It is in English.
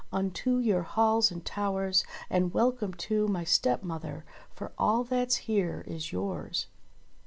Unto your halls and towers ! And welcome too, my stepmother. For all that's here is yours